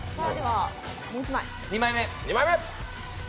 ２枚目。